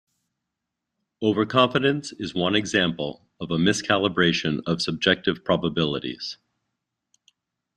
Overconfidence is one example of a miscalibration of subjective probabilities.